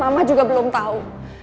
mama juga belum tahu